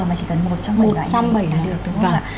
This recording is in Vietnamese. mà chỉ cần một trong bảy loại giấy tờ